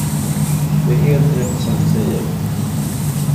Det är helt rätt som du säger.